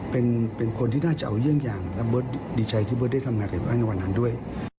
เป็นคนที่น่าจะเอาเยื่องอย่างและบ๊อตดีใจที่บ๊อตได้ทำงานกับพี่น้อยในวันนั้นด้วย